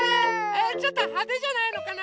えちょっとはでじゃないのかな？